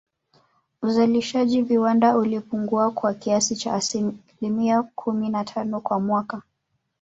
Uzalishaji viwandani ulipungua kwa kiasi cha asilimia kumi na tano kwa mwaka